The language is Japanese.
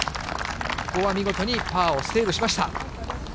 ここは見事にパーをセーブしました。